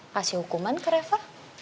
kasih hukuman ke reva